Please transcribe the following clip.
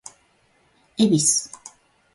恵比寿